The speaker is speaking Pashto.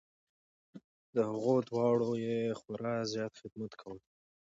د هغو دواړو یې خورا زیات خدمت کول .